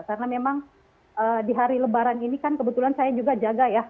karena memang di hari lebaran ini kan kebetulan saya juga jaga ya